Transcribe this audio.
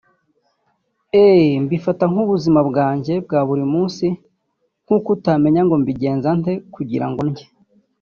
Eeeh Mbifata nk’ubuzima bwanjye bwa buri munsi nk’uko utamenya ngo mbigenza nte kugirango ndye